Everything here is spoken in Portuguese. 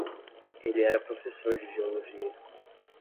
Ele era professor de geologia.